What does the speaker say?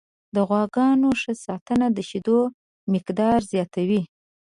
د غواګانو ښه ساتنه د شیدو مقدار زیاتوي.